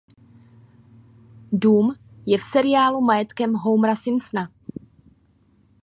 Dům je v seriálu majetkem Homera Simpsona.